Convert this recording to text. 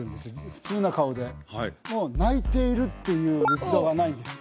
普通な顔で泣いているっていう仏像がないんですよ